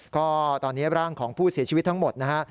ก็ตอนนี้ร่างของผู้เสียชีวิตทั้งหมดนะฮะ